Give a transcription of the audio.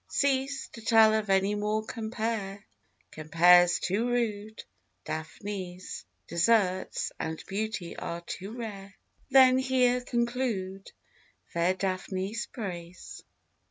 Cease to tell of any more compare, Compares too rude, Daphnis' deserts and beauty are too rare: Then here conclude Fair Daphnis' praise.